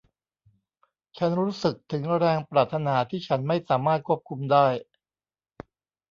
ฉันรู้สึกถึงแรงปรารถนาที่ฉันไม่สามารถควบคุมได้